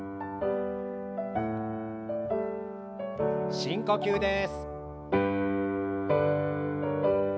深呼吸です。